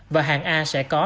và hạng a sẽ có năm